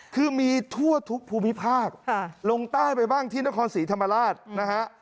คือมีทั่วทุกภูมิภาคลงใต้ไปบ้างที่นครศรีธรรมราชนะฮะ